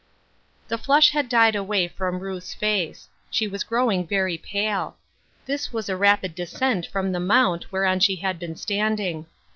The flush had died away from Ruth's face ; she was growing very pale. This was a rapid descent from the mount whereon she had been standing.